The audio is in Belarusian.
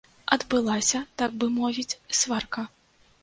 Адбылася, так бы мовіць, сварка.